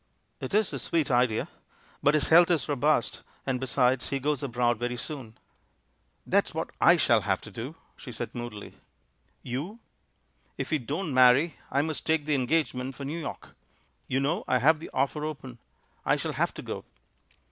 " "It is a sweet idea. But his health is robust, and, besides, he goes abroad very soon." "That's what I shall have to do," she said moodily. "You?" "If we don't marry, I must take the engage ment for New York; you know I have the offer open — I shall have to go."